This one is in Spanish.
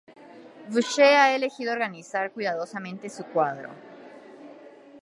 Boucher ha elegido organizar cuidadosamente su cuadro.